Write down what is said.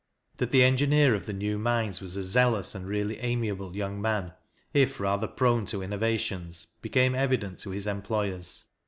That the engineer of the new mines was a zealous and really amiable young man, if rather prone to innovations, became evident to his employers.